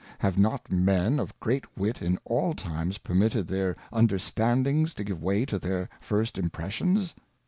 Have not Men of great Wit in all times permitted their Under standings to give way to their first Impressions